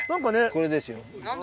これですよ。